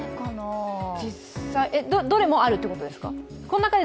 どれもあるということですか？